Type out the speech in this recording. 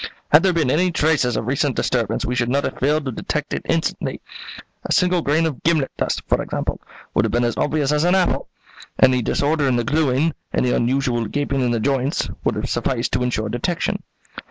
Had there been any traces of recent disturbance we should not have failed to detect it instantly. A single grain of gimlet dust, for example, would have been as obvious as an apple. Any disorder in the gluing, any unusual gaping in the joints, would have sufficed to insure detection."